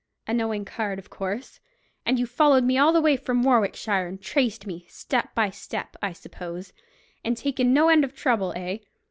—a knowing card, of course; and you've followed me all the way from Warwickshire, and traced me, step by step, I suppose, and taken no end of trouble, eh?